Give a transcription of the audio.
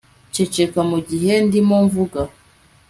ceceka mugihe ndimo mvuga